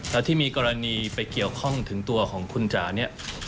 แล้วที่มีกรณีไปเกี่ยวข้องถึงตัวของคุณจ๋าเนี่ย